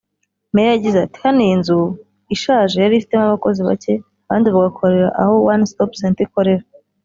Meya yagize ati “Hano iyi nzu (ishaje) yari ifitemo abakozi bake abandi bagakorera aho One stop center ikorera